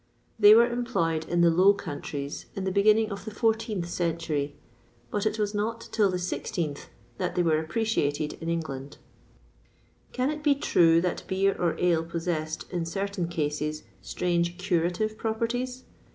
They were employed in the Low Countries at the beginning of the 14th century; but it was not till the 16th that they were appreciated in England.[XXVI 22] Can it be true that beer or ale possessed, in certain cases, strange curative properties?